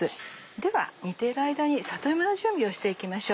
では煮ている間に里芋の準備をして行きましょう。